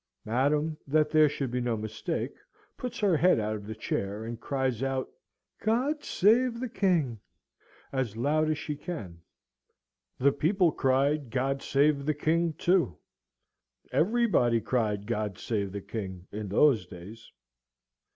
Madam, that there should be no mistake, puts her head out of the chair, and cries out "God save the King" as loud as she can. The people cried "God save the King," too. Everybody cried "God save the King" in those days.